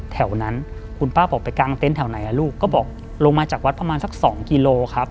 แถวนั้นคุณป้าบอกไปกางเต็นต์แถวไหนลูกก็บอกลงมาจากวัดประมาณสัก๒กิโลครับ